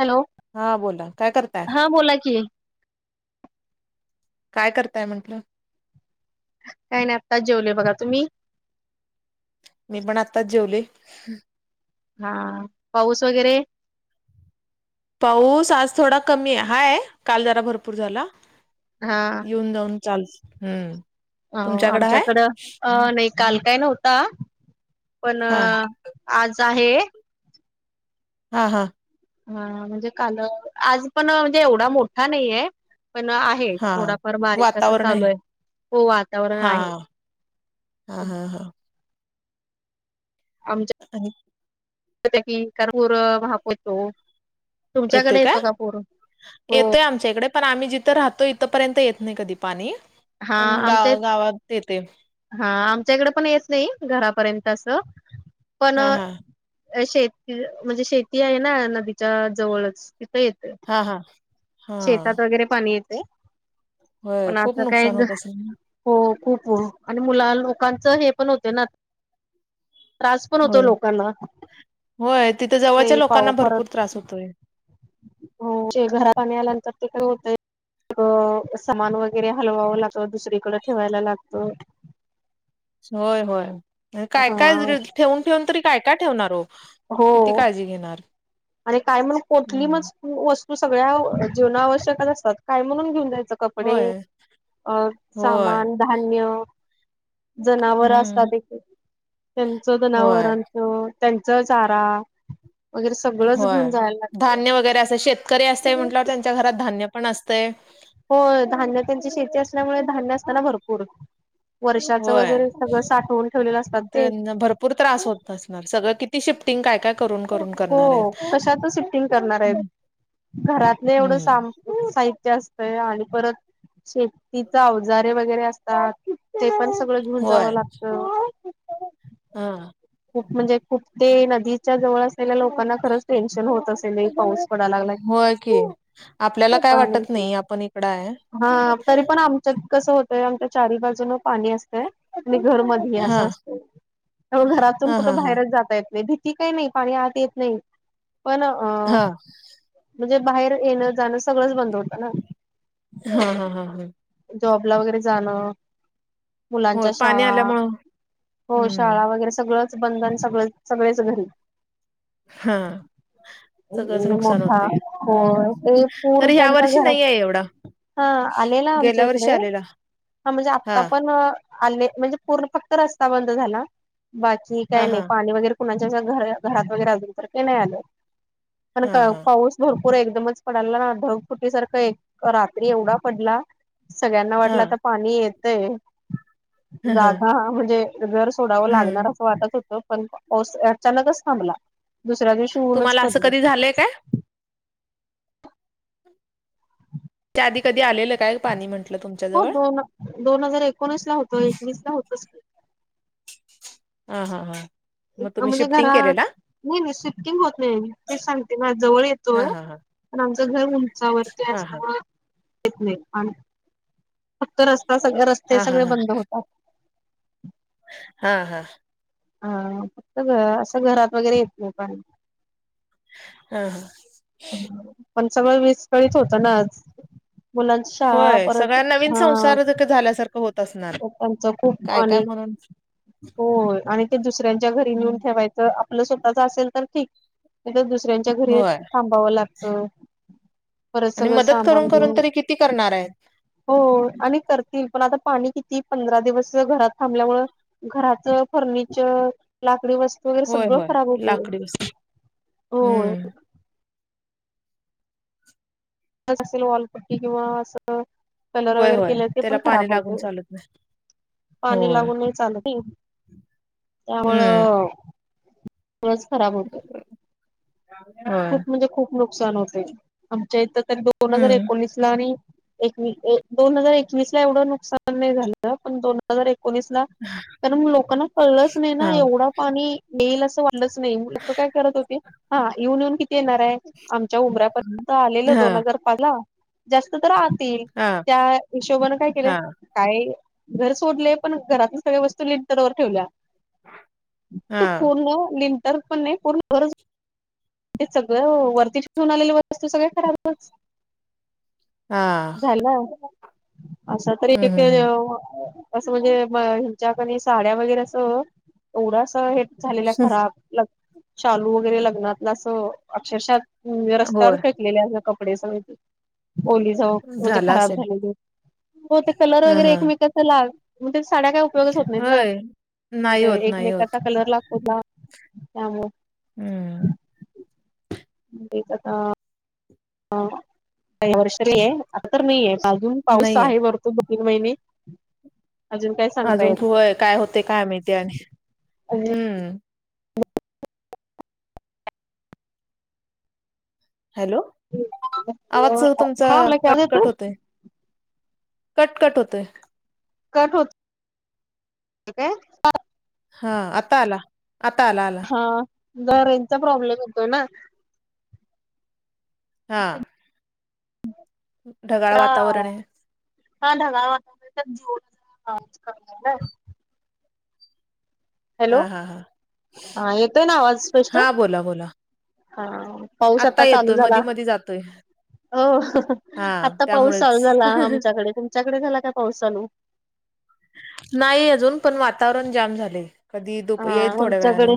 Hello. हा बोला काय करताय. हा बोला की. काय करताय म्हंटलं. काही नाही आत्ताच जेवले बघा तुम्ही. मी पण आत्ताच जेवले. हा पाऊस वगैरे. पाऊस आज थोडा कमी आहे हाय काल जरा भरपूर झाला. हा येऊन जाऊन चालुच हम्म. अ तुमच्याकडे आहे आमच्याकडं अ नाही काल काय नव्हता पण. हा आज आहे. हा हा. हा म्हणजे काल आज पण म्हणजे एवढा मोठा नाहीय पण आहे. हे हा थोडाफार बारीक अस चालू आहे हो वातावरण हा आहे. हा हा हा. आम आणि हो की क [unintelligible] भाप होतो येतोय काय हो येतोय आमच्या इकडं. पण आम्ही जिथं राहतो इथपर्यंत येत नाही कधी पाणी हा पण गा आमच्या गावात येते. हा आमच्याकडे पण येत नाही घरापर्यंत अस. पण हा हा शेती म्हणजे शेती आहे ना नदीच्या जवळच तिथं येते. हा हा. हा शेतात वगैरे पाणी येतय. होय खूप नुकसान होत असल. हो खूप हो आणि मुला- लोकांचं हे पण होते ना त्रास पण होतो होय लोकांना. होय तिथं जवळच्या ते लोकांना पाव भरपूर त्रास होतोय. हो ते घरा पाणी आल्यानंतर ते का होतय. अ सामान वगैरे हलवावं लागत दुसरीकडं ठेवायला लागतं. होय होय, काय हा काय ठेवून ठेऊन तरी काय काय ठेवणार ओ! किती हो काळजी घेणार. आणि काय म्हणून कोठली म हम्म वस्तू सगळ्या जेवणं आवश्यकच असतात काय म्हणून घेऊन जायचं. कपडे होय अ होय सामान धान्य जनावर हम्म असतात एक त्यांचं होय जनावरांचं त्यांचा चारा वगैरे सगळंच होय घेऊन जायला लागतय. धान्य वगैरे अस शेतकरी असतय म्हटल्यावर त्यांच्या घरात धान्य पण असतय. होय धान्य त्यांची शेती असल्यामुळे धान्य असताना भरपूर. वर्षाचं होय वगैरे सगळं साठवून ठेवलेलं असतात ते. पूर त्रास होत असणार सगळं ती ती शिफ्टिंग काय काय करून करून हो करणार आहेत घरातले एवढं सा हम्म - साहित्य असतय आणि परत शेतीचा अवजारे वगैर गैरे असतात ते पण सगळं घेऊन होय जावं लागत. हा. खूप म्हणजे खूप ते नदीच्या जवळ असलेल्या लोकांना खरंच टेन्शन होत असेल हे पाऊस. पडायला लागलाय. होय की, आपल्याला काय पाणी वाटत नाही आपण इकड आहे. हा तरी पण आमच्या कसं होतय, आमच्या चारी बाजून पाणी असतय घर मध्ये हे अस हा असतय घरातून हा कुठे हा हा बाहेर जाता येत नाही भीती काही नाही पाणी आत येत नाही पण अहा हा म्हणजे बाहेर येणं जाणं सगळंच बंद होतं ना. हा, हा, हा, हा. जॉबला वगैरे जाणं होय मुलांच्या पाणी शाळा आल्यामुळं हो हम्म शाळा वगैरे सगळंज बंधन सगळ सगळेच घरी हा सगळंच नुकसान मोठा होते हम्म होय ते तर पूरच्या ह्या वर्षी घरात नाही आहे एवढा हा आलेला आमच्या गेल्या इकडे वर्षी आलेला हा म्हणजे हा आता पण आले म्हणजे पूर्ण फक्त रस्ता बंद झाला बाकी काय हा हा नाही पाणी वगैरेहा कुणाच्या घरात वगैरे अजुन तर काही नाही आलं पण हा हा पाऊस भरपूर एकदमच पडाला ना, ढग फुटीसारखं एक रात्री एवढा पडला. सगळ्यांना हा वाटलं आता पाणी येतय ह ह जागा म्हणजे घर सोडावं लागणार हम्म असं वाटत होतं पाऊस अचानकच थांबला. दुसऱ्या दिवशी ऊनच तुम्हाला पडलं. [unintelligible] काय. त्या आधी कधी आलेलं काय पाणी म्हण हो दोन दोन हजार एकोणीस ला होतो एकवीस ला होतच ह हां हां म्हणजे घरा नाही नाही स्विपटिंग होत नाही तेच सांगते ना जवळ येतो हा हा हा पण आमचं घर उंचावरती हा असाव येत नाहीआणी फक्त रस्ता सगळे रस्ते हा हा हा सगळे हा बंद होतात हा हा हा फक्त घ असं घरात वगैरे येत नाही पण ह हा पण सगळ विस करीत होत ना आज मुलांची शाळा परत हा झाल्यासारख होत असणार पंपाच खूप काय काय अनेक म्हणून हो आणि ते दुसऱ्यांच्या घरी नेऊन हम्म. ठेवायचं आपलं स्वतःच असेल तर ठीक दुसऱ्यां च्या घरी होय थांबावं लागत परत आणि सगळं मदत करून सामान करून घेऊन तरी किती करणार आहेत हो आणि करतील पण आता पाणी किती ती पंधरा दिवस घरात थांबल्यामुळ घराच फर्निचर लाकडी वस्तु वगैरे होय सगळं होय खराब होत लाकडी वस्तू होय हम्म असेल वाॉलपट्टी किंवा असं कलर होय वगैरे होय केले ते त्याला पण पाणी खराब लागून होते चालत नाही पाणी होय. लागून नाही चालत त्यामुळे हम्म. पसृ खराब होते होय. खूप म्हणजे खूप नुकसान होते आमच्या इथं त दोन हजार हम्म. एकोणीस ला आणि एक दोन हजार एकवीस ला एवढं नुकसान नाही झालं पण दोन हजार एकोणीस ला कारण लोकांना कळलंच नाही ना हा. एवढं पाणी येईल असं वाट आलेस नाय लोक काय करत होते हा येऊन येऊन किती येणार हाय आमच्या उमऱ्यापर्यंत आलेलं दोन हा. हजार पाला जास्त तर आतील हा. त्या हिशोबानें काय केले हा. काय घर सोडलेय पण घरातून सगळ्या वस्तू लिन तरवर ठेवल्या ते हा. पूर्ण लिंतर पण नाही पूर्ण गर ते सगळं वरती शून आलेली वस्तू सगळे खराबच हा हालो असं तरी हं. एक हं. हं. असं म्हणजे हिच्याकिनी साड्या वगैरे असं एवढासा हे झालेल्या खराब शालू वगैरे लग्नातला अस अक्षरशात ह रस्त्यावर होय. फेकलेले आहे कपडे सगळे ओली जावु म्हणजे झाला खराब असेल. झालेली हो ते कलर हं. वगैरे हं. एकमेकाच लाग म्हणजे साड्या काय होत नाहीत ना होय. नाही होत. नाही होत. एकमेकाचा कलर लागतो ना त्यामुळे हम्म बेपत्ता आ आता तर अजून पाऊस नाहीये. आहे वर दोन तीन महिने अजून काय सांगता अजुन तो ऐ काय होते काय माहिती आणि येत हम्म हॅलो आवाज तुमचा हा मला काय येतोय कटकट होतय कटकट होतेय कट होत काय हा आता आला आता आला आला ह दरेचा प्रॉब्लेम होतोय ना हा ढगाळ ह वातावरण आहे. हा ढगाळ वातावरण हॅलो हा. हा. हा. हा येतोय ना आवाज स्पष्ट हा. बोला. बोला. हा पाऊस आता चालू येतोय. झाला मधी मधी जातोय. अ हा आता पाऊस त्यामुळेच चालू झाला आमच्याकडे तुमच्याकडे झाला का पाऊस चालू नाही अजून पण वातावरण जाम झाले कधी [inaudible] हा येईल थोड्या वेळनें आमच्याकडे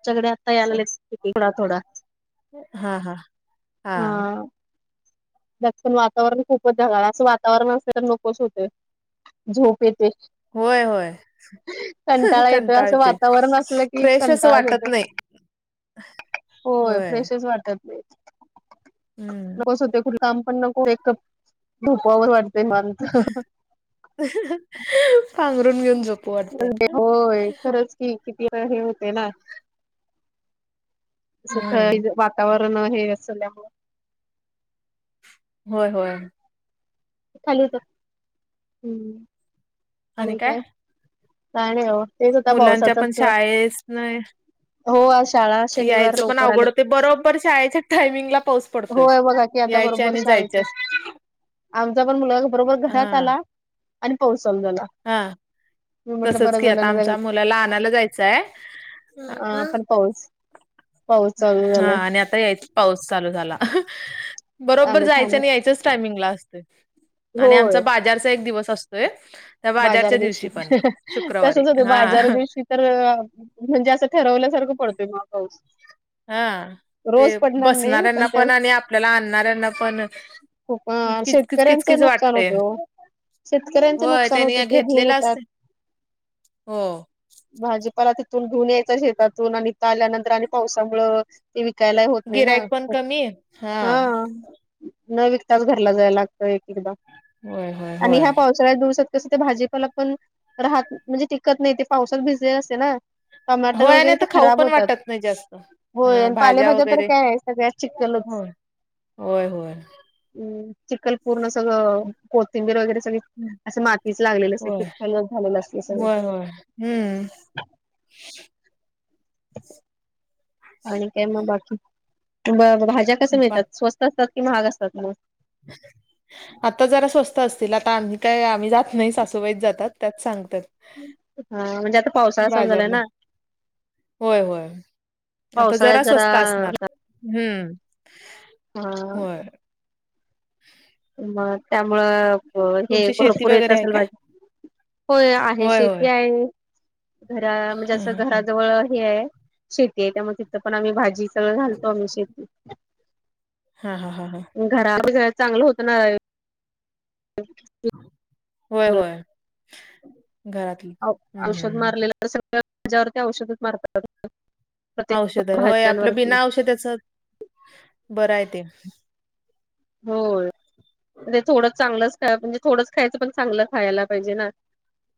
आमच्याकडे आता याला थोडा थोडा हा हा हा त्यात पण वातावरण खूपच ढगाळ असं वातावरण असले तर नकोच होते झोप येते होय होय कंटाळा येतोय असं वातावरण असलं की फ्रेश असं कंटाळा वाटत येतो नाही होय फ्रेशच वाटत नाही हम्म नकोस होते कुठ काम पण नको एक झोपावे वाटते पांघरून घेऊन झोपू वाटते कितीदा हे होते ना हम्म तवर न हे असल्या होय होय खाली तर ह् आणि काय काय नाही तेच आता मुलांच्या पण पावसाचाच शाळच नाही हो आ शाळा शनिवार यायचं पण लवकर आवड आल्यात होते बरोबर शाळेच्या टायमिंगला पाउ पडतय होय बघा की आता यायच बरोबर आणि जायचे शाळेच्या आमचा पण मुलगा बरोबर घरात आला आणि पाउस चालू झाला. हा मी म्हटलं तसच बरं कि आता झालं ना जरा आमच्या मुलाला आणायला जायचाय हो हा आणि आता यायचं पाऊस चालू झाला बरोबर आले जायचं थांबून आणि यायचच टायमिंगला असते. आणि आमचा होय बाजारचा एक दिवस असतोय. त्या बाजार बाजारच्या दिवशी पण तसच शुक्रवारी होते हा बाजार दिवशी तर म्हणजे असं ठरवल्यासारखं पडतोय मग पाऊस हा रोज ते पडणार नाही बसणाऱ्यांना ते पण आणि आपल्याला आणणाऱ्यांना पण [unintelligible] किचकिच शेतकऱ्यांचं किचकीच नुकसान वाटतय होत हो शेतकऱ्यांच होय नुकसान त्यांनी ते घेऊन घेतलेलं येतात असते हो. भाजीपाला तिथून धुन यायचा शेतातून आणि त आल्यानंतर आणि पावसामुळ ते विकायलाही होत नाही ना गिरायक पण कमी हा न विकताच घरला जाय लागतं एक एकदा होय होय आणि होय ह्या पावसाळ्यात दिवसात कसं ते भाजीपाला पण राहत म्हणजे टिकत नाही ते पावसात भिजले असे ना टमाटर होय आणि वगैरे ते आता खाऊ खराब पण होतात. वाटत नाही जास्त हा होय भाज्या पालेभाज्या तर वगैरे काय आहे सगळ्या चिखलच होय होय होय ह चिखलपूर्ण सगळं कोथिंबीर वगैरे सगळे असं म हीच लागलेली अस होय कितक नच झालेलं असलं सगळ होय होय हम्म आणि काय मग बाकी भाज्या कस पा- मिळतात स्वस्त असतात कि महाग असतात मग ह आता जरा स्वस्त असतील आता आम्ही काय आम्ही जात नाही सासूबाईत जातात त्याच सांगतात हा म्हणजे आता पावसाळा समजालाय बाजारला ना होय होय आता जरा स्वस्त असणार. हम्म होय हम मग त्यामुळं हे तुमची शेती भरपूर येत वगैरे आहे असेल काय भाजी होय आहे होय होय शेती आहे घरा म्हणजे हा असं हा हा घराजवळ ह आहे शेती आहे त्यामुळे तिथं पण आम्ही भाजी सगळं घालतो आम्ही शेती हा हा हा हां घरा घ चांगलं होत ना. होय होय घरात हम्म हम्म हम्म. ळ्या्यावरती औषधच मारतात. प्रत्येक औषध होय आपलं भाज्यांवरती बिना औषधाच बरं आहे ते हो. म्ह थोडंच चांगलंच ख म्हणे थोडंच खायचं पण चांगलं खायला पाहिजे ना.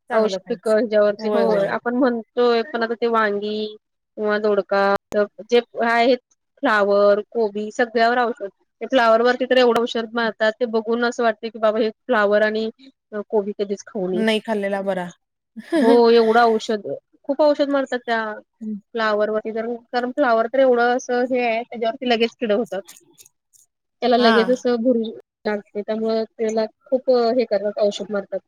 चांगलं औशिक काहीच हच्यावरती हो होय होय आपण म्हणतोय पण आता ते वांगी किंवा दोडका जे आहेत फ्लावर, कोबी सगळ्यावर औष ते फ्लावरती तर एवढ हो शत. ते बघून असं वाटत की बाबा हे फ्लावर आणि कोबी कध दिस खाणी नाही खाल्लेला बरा हो एवढं औषध खूप औषध मारतात त्या हम्. फ्लावरती ज कारण फ्लावर तर एवढं. हे आहे त्याच्यावरती लगेच कीड होत त्याला हा लगेचच भुर लागते त्यामु त्याला खूप हे करण औषध मारतात.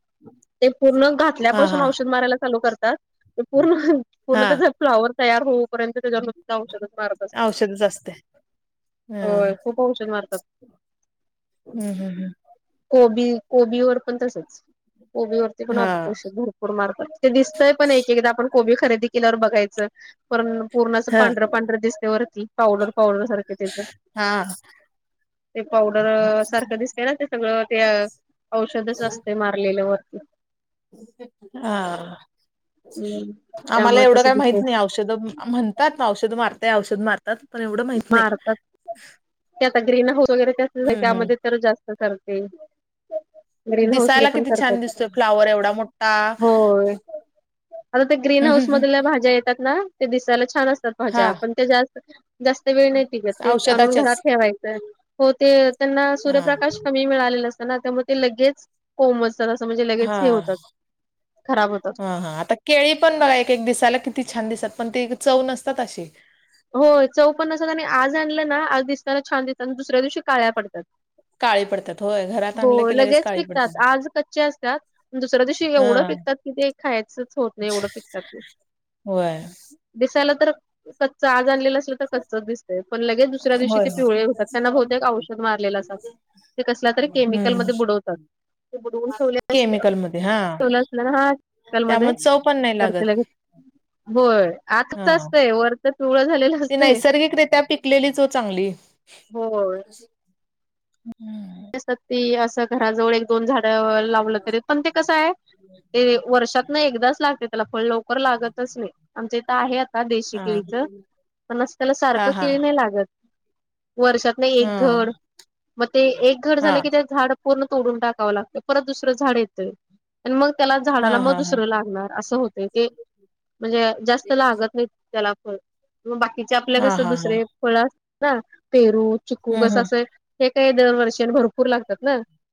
ते पूर्ण हा घातल्यापासून हा औषध मारायला चालू करतात पूर्ण पूर्ण हा फ्लावर तया होऊपर्यंत त्याच्यावर नुतीत औषधच मार. औषधच असते हो ह खूप शन मारतात. हम् हम हम. कोबी कोबीवर पण तसेच कोबीवररती हा पणषर ूर मारत ते दिसतय पण एक एकदा आपण कोबी खरेदी केल्यावर बघायचं. पण पूर्ण असं हा पांढरं पांढरं दिसते वरती पावडर पावडर सारखे त्याच हा ते पावडर सारखं दिसतय ना. सगळं ते औषधच असते मारलेल्या वती हा हम्म आम्हाला त्यामुळे एवढं कसं काय माहित दिसते नाही औषध म्हणतात ना औषध मारताय औषध मार. पण एवढं. माहित नाही. मारतात ते आता ग्रीन हाऊस वगैरेस हम्म हम् त्यामध्ये तर जास्तत ते ग्रीन हऊस न दिसायला पण किती छान करतात दिसतोय फ्लावर एवढा मोठा होय. आता त्या ग्रीन हाऊस मधल्या भाज्या येतात ना ते दिसायला छान असतात हा भाज्या पण ते जास्त जास्त वेळ नाही तिक ते आणून घरात औषधाच्याच ठेवायचंय. हो ते त्यांना हा सूर्यप्रकाश कमी मिळालेले असतना त्यामुळे ते लगेच होमच. म्हणजे लगेच हा हे होतात खराब होतं. हा हा आता- केळी पण बघ एक एक दिसायला किती छान दिसत पण ते चव नसतात अशी हो चौपन्नसात आणि आज आणलं ना आज दिसताना छान दिसात आणि दुसऱ्या दिवशी काळ्या पडतात. काळी पडतात होय घरात हो आणलं की लगेच काळी पिकतात पडतात आज कच्चे असतात दुसऱ्या दिवशी हा एवढं पिकतात. कि ते खायचंच होत नाही एवढं फिकतात. होय. दिसायला तर कच्च आज आणलेला असल. कच दिसतय पण लगेच दुसऱ्या दिवशी होय ते पिवळे होतात त्यांना बहुतेक औषध मारलेलं असतात. ते कसला तरी हम्म केमिकलमध्येध्ये बुडवतात. बुडवून ठेवले अस केमिकल मध्ये हा ठेवलं असलं ना हाकाल त्यामुळे चव पण नाही मध्येतेला लागत होय आताच हा असतय वरच चुवळ झालेलं. ती असतंय नैसर्गिकरित्या पिकलेलीच हो चांगली. होय. हम्म. ती असं घराजवळ एक दोन झाड लावलं तरी पण ते कसं आहे. ते वर्षात ना एकदाच लागते त्याला फळ लवकर लागतच नाही आमच्या इथं आहे आता देशी हा केळीच पण त्याला हा सारखं हा केळी नाही. लागत, वर्षातन हा एक घर, म ते घर झालं हा की झाड पूर्ण तोडून टाकावं लागतं परत दुसरं झाड येतंय. आणि मग त्याला झाडाला हा हा मग हा दुसरं लागणार असं होत ते, म्हणजे जास्त लागत नाहीत. त्याला फळ, मग बाकीचे आपल्या हा कसं हा हा दुसरे फळ असत ना पेरू. चिकू हम्म कसं हम्म. असं, हे काही दर वर्षन भरपूर लागतात ना.